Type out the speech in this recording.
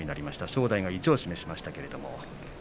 正代が意地を示しました。